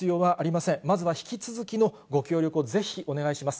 まずは引き続きのご協力をぜひお願いします。